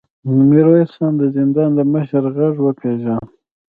ميرويس خان د زندان د مشر غږ وپېژاند.